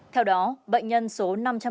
theo đó bệnh nhân số năm trăm bốn mươi bảy